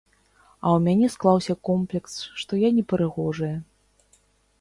А ў мяне склаўся комплекс, што я непрыгожая.